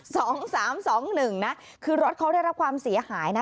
สองสามสองหนึ่งนะคือรถเขาได้รับความเสียหายนะ